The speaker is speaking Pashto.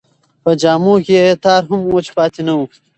په جامو کې یې یو تار هم وچ پاتې نه و.